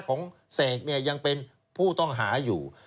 เสกเนี่ยยังเป็นผู้ต้องหาอยู่